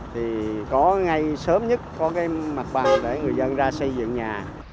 thì có ngày sớm nhất có mặt bằng để người dân ra xây dựng nhà